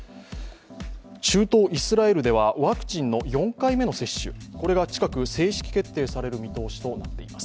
中東イスラエルではワクチンの４回目の接種が近く正式決定される見通しとなっています。